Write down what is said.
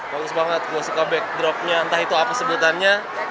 bagus banget gue suka backdropnya entah itu apa sebutannya